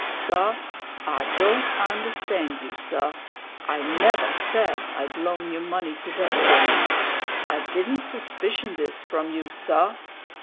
"Saw, I don't understand you, saw. I never said I'd loan you money to bet for me. I didn't suspicion this from you, saw.